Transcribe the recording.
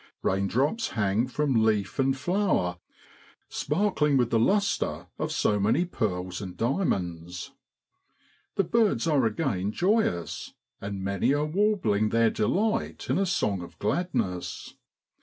Kaindrops hang from leaf and flower sparkling with the lustre of so many pearls and diamonds. The birds are again joyous, and many are warbling their delight in a song of gladness.